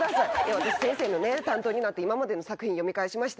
私、先生の担当になって、今までの作品、読み返しました。